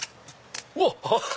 わっ！